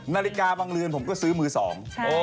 นาฬิกาบางเรือนผมก็ซื้อมือสอง